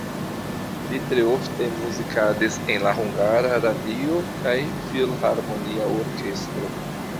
Li tre ofte muzikadis en la Hungara Radio kaj filharmonia orkestro.